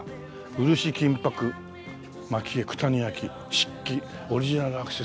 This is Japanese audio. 「うるし・金箔・蒔絵・九谷焼・漆器オリジナルアクセサリー」